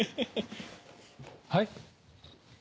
はい？